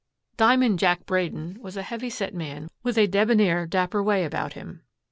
"Diamond Jack" Braden was a heavy set man with a debonnaire, dapper way about him.